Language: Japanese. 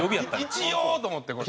一応と思ってこれ。